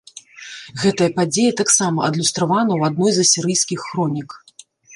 Гэтая падзея таксама адлюстравана ў адной з асірыйскіх хронік.